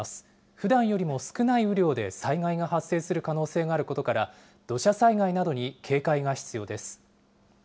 ふだんよりも少ない雨量で災害が発生する可能性があることから、土砂災害などに警戒が必要です。